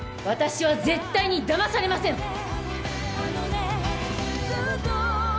私は絶対にだまされません！